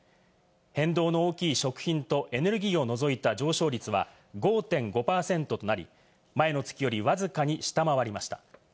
変動の大きい食品とエネルギーを除いた上昇率が５．５％となり、前の月よりわずかに下回りました。